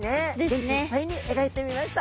元気いっぱいに描いてみました。